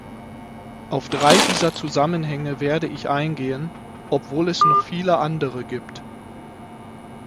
Auf drei dieser Zusammenhänge werde ich eingehen, obwohl es noch viele andere gibt.